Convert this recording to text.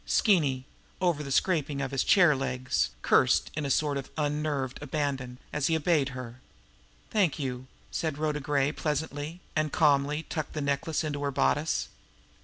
Skeeny, over the scraping of his chair legs, cursed in a sort of unnerved abandon, as he obeyed her. "Thank you!" said Rhoda Gray pleasantly and calmly tucked the necklace into her bodice.